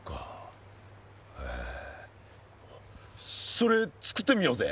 それつくってみようぜ。